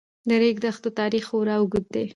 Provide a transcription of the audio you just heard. د ریګ دښتو تاریخ خورا اوږد دی.